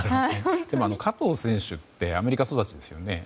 でも加藤選手ってアメリカ育ちですよね。